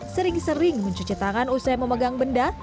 sering sering mencuci tangan usai memegang benda